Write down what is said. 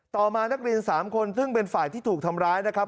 ต่อมานักเรียน๓คนซึ่งเป็นฝ่ายที่ถูกทำร้ายนะครับ